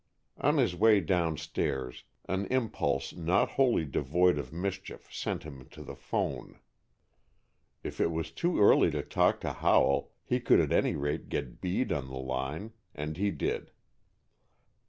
On his way downstairs, an impulse not wholly devoid of mischief sent him to the 'phone. If it was too early to talk to Howell, he could at any rate get Bede on the line, and he did.